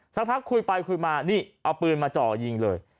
สักพักคุยไปคุยมานี่เอาปืนมาจ่อยิงเลย